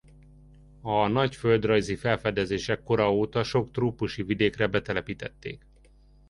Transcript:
A nagy földrajzi felfedezések kora óta sok trópusi vidékre betelepítették.